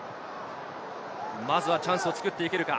まずはチャンスを作っていけるか。